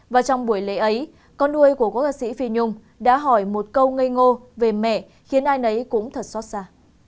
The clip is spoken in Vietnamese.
và trong buổi lễ ấy con nuôi của quốc gia sĩ phi nhung đã hỏi một câu ngây ngô về mẹ khiến ai nấy cũng thật xót xa